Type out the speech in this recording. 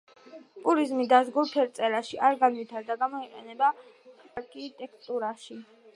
პურიზმი დაზგურ ფერწერაში არ განვითარდა; გამოყენება ჰპოვა თანამედროვე არქიტექტურაში.